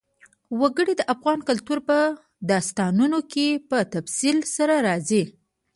وګړي د افغان کلتور په داستانونو کې په تفصیل سره راځي.